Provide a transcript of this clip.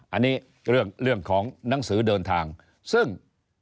อันนี้เรื่องของหนังสือเดินทางซึ่ง